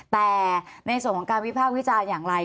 แต่ในส่วนของการวิภาควิจารณ์อย่างไร